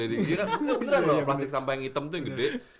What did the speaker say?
beneran loh plastik sampah yang hitam tuh yang gede